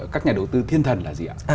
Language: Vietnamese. các nhà đầu tư thiên thần là gì ạ